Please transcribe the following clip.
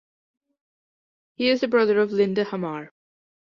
He is the brother of Linda Hammar.